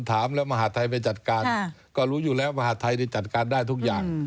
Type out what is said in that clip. ถามแล้วมหาดไทยไปจัดการก็รู้อยู่แล้วมหาดไทยจัดการได้ทุกอย่าง